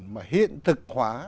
mà hiện thực hóa